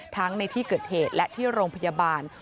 ในที่เกิดเหตุและที่โรงพยาบาล